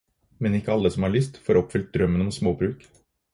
Men ikke alle som har lyst, får oppfylt drømmen om småbruk.